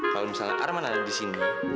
kalau misalnya arman ada di sini